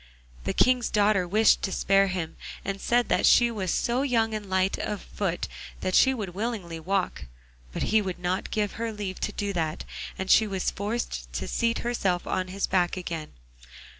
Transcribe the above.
The King's daughter wished to spare him, and said that she was so young and light of foot that she would willingly walk, but he would not give her leave to do that, and she was forced to seat herself on his back again.